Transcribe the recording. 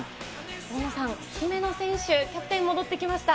大野さん、姫野選手、キャプテン戻ってきました。